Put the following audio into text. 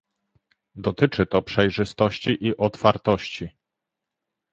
Dotyczy to przejrzystości i otwartości